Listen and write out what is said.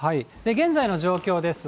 現在の状況です。